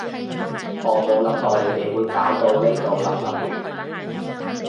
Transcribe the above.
我冇諗過你哋會搞到呢度笠笠亂